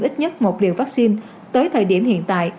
ít nhất một liều vaccine tới thời điểm hiện tại